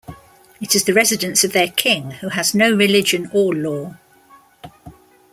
It is the residence of their king who has no religion or law.